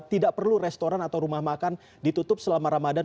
tidak perlu restoran atau rumah makan ditutup selama ramadan